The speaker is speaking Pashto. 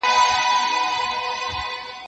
زه به سبا د هنرونو تمرين وکړم!!